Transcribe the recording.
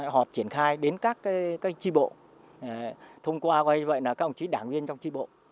họp triển khai đến các tri bộ thông qua các đảng viên trong tri bộ